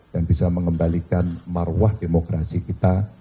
dan bisa mengembalikan maruah demokrasi kita